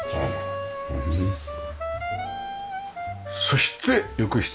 そして浴室。